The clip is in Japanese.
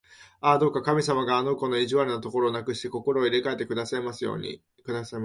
ああ、どうか神様があの子の意地悪なところをなくして、心を入れかえてくださいますように！